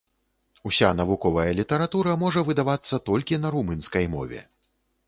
Уся навуковая літаратура можа выдавацца толькі на румынскай мове.